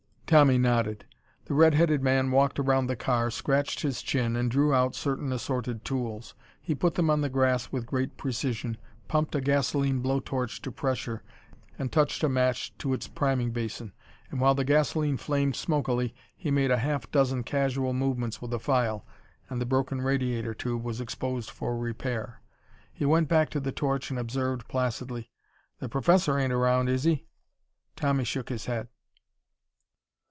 Tommy nodded. The red headed man walked around the car, scratched his chin, and drew out certain assorted tools. He put them on the grass with great precision, pumped a gasoline blow torch to pressure and touched a match to its priming basin, and while the gasoline flamed smokily he made a half dozen casual movements with a file, and the broken radiator tube was exposed for repair. He went back to the torch and observed placidly: "The Professor ain't around, is he?" Tommy shook his head.